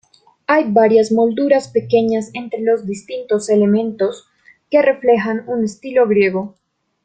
Hay varias molduras pequeñas entre los distintos elementos, que reflejan un estilo griego.